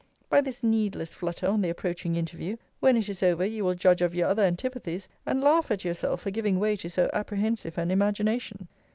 By this needless flutter on the approaching interview, when it is over you will judge of your other antipathies, and laugh at yourself for giving way to so apprehensive an imagination.